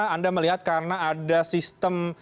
anda melihat karena ada sistem